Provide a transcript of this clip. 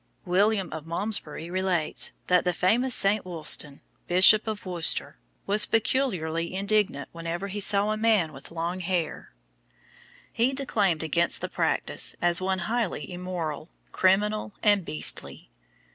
William of Malmesbury relates, that the famous St. Wulstan, Bishop of Worcester, was peculiarly indignant whenever he saw a man with long hair. He declaimed against the practice as one highly immoral, criminal, and beastly.